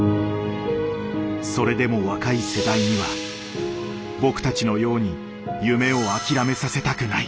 それでも若い世代には僕たちのように夢を諦めさせたくない。